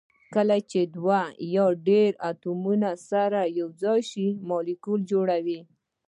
کله چې دوه یا ډیر اتومونه سره یو ځای شي مالیکول جوړوي